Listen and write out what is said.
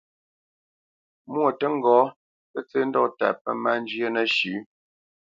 Mwô tə́ ŋgɔ́, pə́ tsə́ ndɔ́ta pə́ má njyə́ nəshʉ̌.